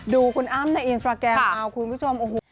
ดูคุณอ้ำในอินสตราแกรมเอาคุณผู้ชมโอ้โห